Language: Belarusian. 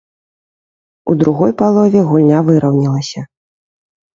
У другой палове гульня выраўнялася.